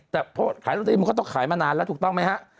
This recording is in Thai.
แต่เพราะขายลอตเตอรี่มันก็ต้องขายมานานแล้วถูกต้องไหมฮะ